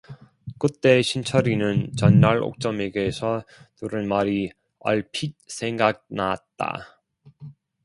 그때 신철이는 전날 옥점에게서 들은 말이 얼핏 생각났다.